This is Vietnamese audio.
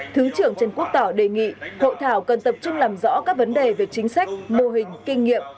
thứ trưởng trần quốc tỏ đề nghị hội thảo cần tập trung làm rõ các vấn đề về chính sách mô hình kinh nghiệm